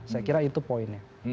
saya kira itu poinnya